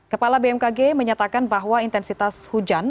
kepala bmkg menyatakan bahwa intensitas hujan